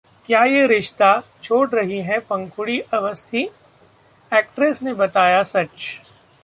क्या ये रिश्ता... छोड़ रही हैं पंखुड़ी अवस्थी? एक्ट्रेस ने बताया सच